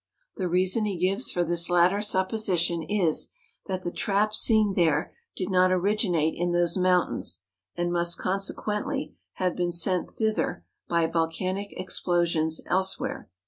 The reason he gives for this latter supposition is, that the trapp seen there did not originate in those mountains, and must, consequently, have been sent thither by volcanic explosions elsewhere.